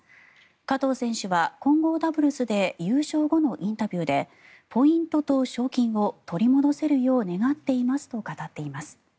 加藤選手は混合ダブルスで優勝後のインタビューでポイントと賞金を取り戻せるよう願っていますと語っています。